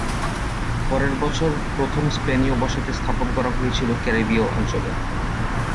পরের বছর, প্রথম স্পেনীয় বসতি স্থাপন করা হয়েছিল ক্যারিবীয় অঞ্চলে।